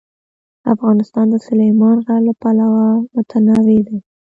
افغانستان د سلیمان غر له پلوه متنوع دی.